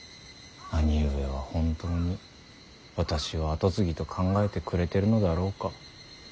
兄上は本当に私を跡継ぎと考えてくれてるのだろうか。